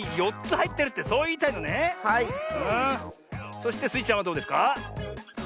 そしてスイちゃんはどうですか？